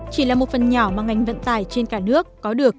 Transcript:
chỉ là một phần nhỏ mà ngành vận tải trên cả nước có được